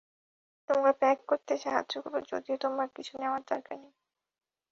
তোমাকে প্যাক করতে সাহায্য করব, যদিও তোমার কিছু নেওয়ার দরকার নেই।